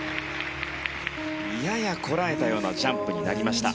ややこらえたようなジャンプになりました。